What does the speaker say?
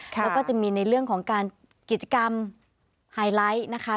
แล้วก็จะมีในเรื่องของการกิจกรรมไฮไลท์นะคะ